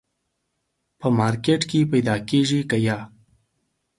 په مارکېټ کي پیدا کېږي که یه ؟